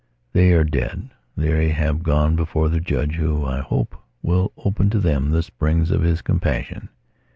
They are dead; they have gone before their Judge who, I hope, will open to them the springs of His compassion.